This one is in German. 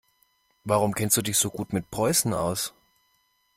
Warum kennst du dich so gut mit Preußen aus?